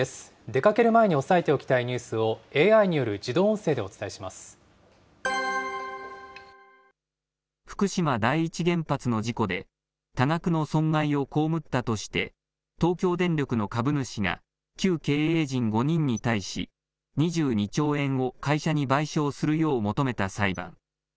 出かける前に押さえておきたいニュースをＡＩによる自動音声でお福島第一原発の事故で、多額の損害を被ったとして、東京電力の株主が旧経営陣５人に対し、２２兆円を会社に賠償するよう求めた裁判。